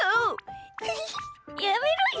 やめろよ！